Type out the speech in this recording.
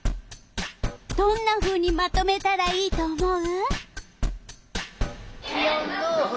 どんなふうにまとめたらいいと思う？